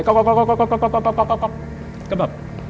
ก็แบบ